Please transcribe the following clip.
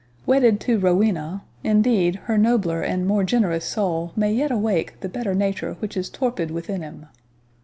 Wedded to Rowena, indeed, her nobler and more generous soul may yet awake the better nature which is torpid within him.